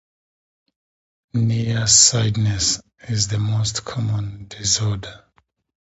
Near-sightedness is the most common disorder.